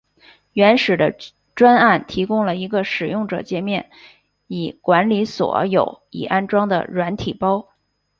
原始的专案提供了一个使用者介面以管理所有已安装的软体包。